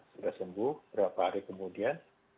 sudah sembuh berapa hari kemudian